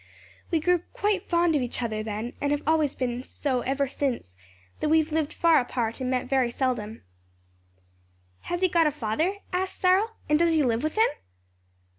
"We grew quite fond of each other then and have always been so ever since, though we have lived far apart and met very seldom." "Has he got a father?" asked Cyril, "and does he live with him?"